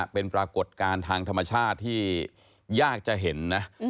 เป็นปรากฏการณ์ทางธรรมชาติที่ยากจะเห็นนะ